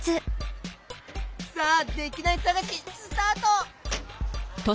さあできないさがしスタート！